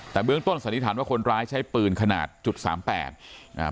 แต่เบื้องต้นสันนิษฐานว่าคนร้ายใช้ปืนขนาดจุดสามแปดอ่า